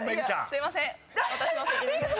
すいません。